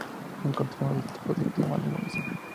Encontramos dos tipos de clima en el municipio.